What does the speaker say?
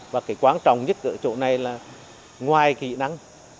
và cái quan trọng nhất ở chỗ này là ngoài kỹ năng